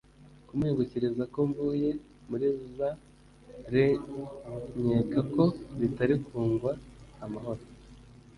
kumuhingukiriza ko mvuye muri Zaïre nkeka ko bitari kungwa amahoro